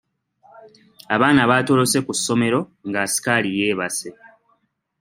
Abaana baatolose ku ssomero nga asikaali yeebase.